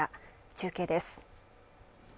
中継です